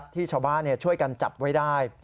ที่ชาวบ้านช่วยกันจับไว้ได้